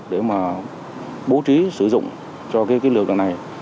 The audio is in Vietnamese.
để mà bố trí sử dụng cho cái lực lượng này